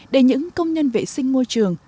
để những công nhân vệ sinh môi trường